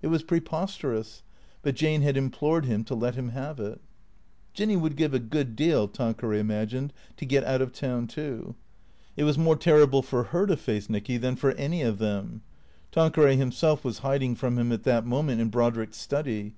It was preposterous. But Jane had implored him to let him have it. Jinny would give a good deal, Tanqueray imagined, to get out of town too. It was more terrible for her to face Nicky than for any of them. Tanqueray himself was hiding from him at that moment in Brodrick's study.